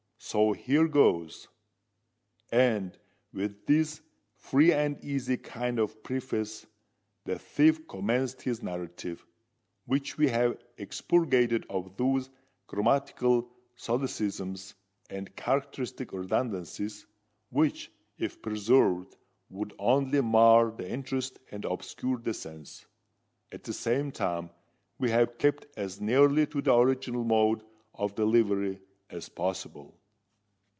So, here goes." And, with this free and easy kind of preface, the thief commenced his narrative, which we have expurgated of those grammatical solecisms and characteristic redundancies which, if preserved, would only mar the interest and obscure the sense. At the same time, we have kept as nearly to the original mode of delivery as possible.